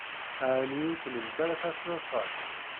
Ɛni ur tlimt ara tasnasɣalt?